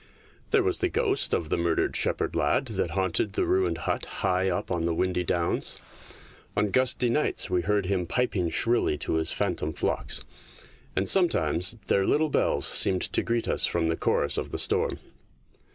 There was the ghost of the murdered shepherd lad that haunted the ruined hut high up on the windy downs ; on gusty nights we heard him piping shrilly to his phantom flocks, and sometimes their little bells seemed to greet us from the chorus of the storm.